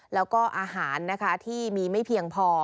แล้วก็อาหารนะคะที่มีไม่เพียงพอ